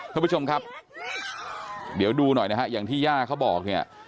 ท่านผู้ชมครับเดี๋ยวดูหน่อยนะฮะอย่างที่ย่าเขาบอกเนี่ย